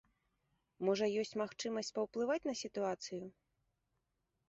Можа, ёсць магчымасць паўплываць на сітуацыю?